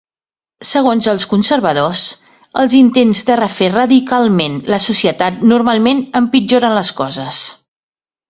Segons els conservadors, els intents de refer radicalment la societat normalment empitjoren les coses.